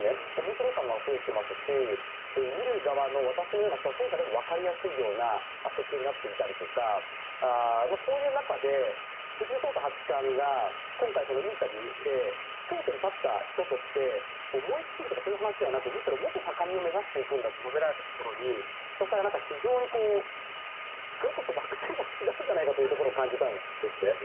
面白さもあふれていますし見る側の、私のような初心者もわかりやすいような設計になっていたりとかそういう中で藤井聡太八冠が今回インタビューで頂点に立った人として燃え尽きるとかそういう話ではなくむしろもっと高みを目指していくんだと述べられたところに私は非常にそれこそ惑星が違うんじゃないかということを感じたんです。